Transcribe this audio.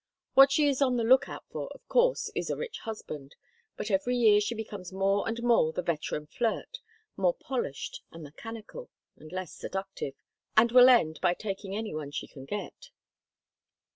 What she is on the lookout for, of course, is a rich husband; but every year she becomes more and more the veteran flirt, more polished and mechanical, and less seductive, and will end by taking any one she can get."